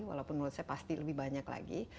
walaupun menurut saya pasti lebih banyak lagi